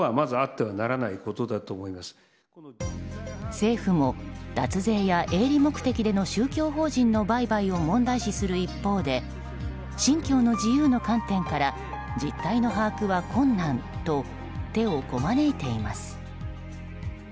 政府も、脱税や営利目的での宗教法人の売買を問題視する一方で信教の自由の観点から実態の把握は困難と手をこまねいています。